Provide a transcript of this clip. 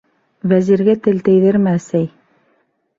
- Вәзиргә тел тейҙермә, әсәй.